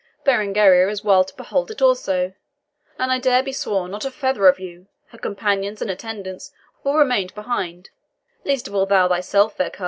Berengaria is wild to behold it also; and I dare be sworn not a feather of you, her companions and attendants, will remain behind least of all thou thyself, fair coz.